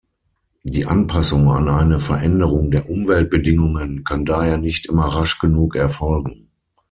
Die Anpassung an eine Veränderung der Umweltbedingungen kann daher nicht immer rasch genug erfolgen.